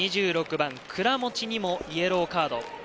２６番・倉持にもイエローカード。